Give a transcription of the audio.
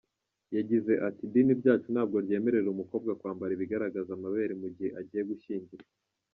Yagize ati “Idini ryacu ntabwo ryemerera umukobwa kwambara ibigaragaza amabere mu gihe agiye gushyingirwa.